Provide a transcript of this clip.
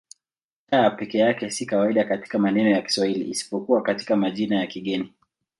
C peke yake si kawaida katika maneno ya Kiswahili isipokuwa katika majina ya kigeni.